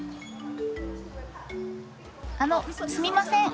あのすみません！